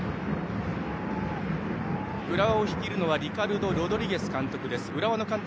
浦和を率いるのはリカルド・ロドリゲス監督。